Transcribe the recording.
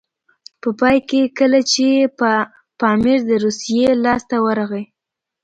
په پای کې کله چې پامیر د روسیې لاسته ورغی.